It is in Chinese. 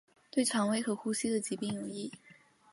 对于胃肠和呼吸的疾病有益。